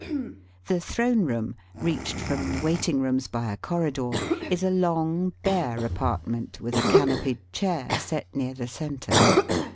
The throne room, reached firom the wait ing rooms by a corridor, is a long bare apart ment with a canopied chair set near the centre.